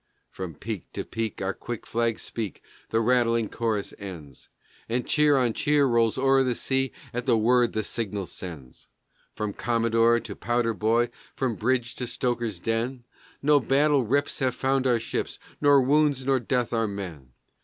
From peak to peak our quick flags speak, the rattling chorus ends; And cheer on cheer rolls over the sea at the word the signal sends. From Commodore to powder boy, from bridge to stoker's den, No battle rips have found our ships, nor wounds nor death our men.